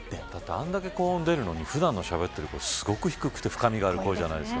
あれだけ高音が出るのに普段のしゃべってる声は低くて深みがある声じゃないですか。